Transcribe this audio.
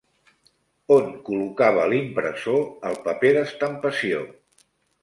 On col·locava l'impressor el paper d'estampació?